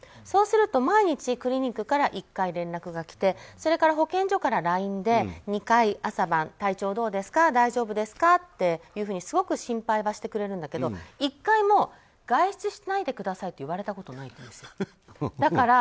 そうすると毎日クリニックから１回連絡が来てそれから保健所からＬＩＮＥで朝晩、体調どうですか大丈夫ですかっていうふうにすごく心配はしてくれるんだけど１回も外出しないでくださいって言われたことないんですって。